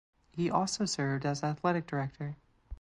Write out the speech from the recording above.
He also served as athletic director.